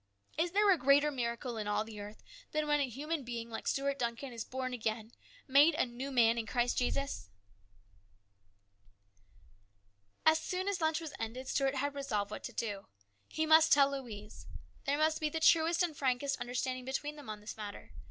Is there a greater miracle in all the earth than when a human being like Stuart Duncan is born again, made a new man in Christ Jesus ? As soon as lunch was ended, Stuart had resolved what to do. He must tell Louise. There must be the truest and frankest understanding between them on this matter.